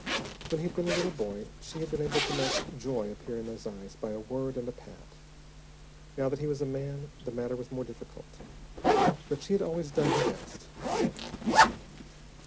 When he had been a little boy, she had been able to make joy appear in those eyes by a word and a pat; now that he was a man, the matter was more difficult, but she had always done her best.